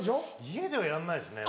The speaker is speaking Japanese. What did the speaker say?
家ではやんないですね。